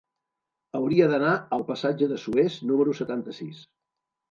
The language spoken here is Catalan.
Hauria d'anar al passatge de Suez número setanta-sis.